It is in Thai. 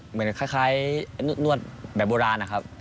เหมือนคล้ายนวดแบบโบราณนะครับ